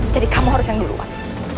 jadi kamu harus yang duluan